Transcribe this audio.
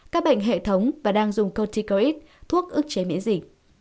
các bệnh hệ thống và đang dùng corticoid thuốc ức chế miễn gì